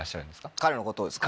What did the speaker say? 彼のことをですか？